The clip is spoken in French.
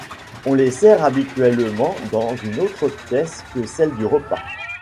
On les sert habituellement dans une autre pièce que celle du repas.